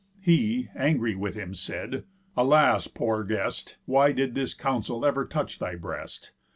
He, angry with him, said: "Alas, poor guest, Why did this counsel ever touch thy breast?